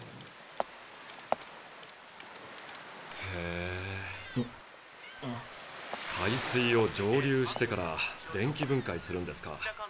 へ海水を蒸留してから電気分解するんですか。